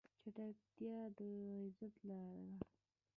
چپتیا، د عزت لاره ده.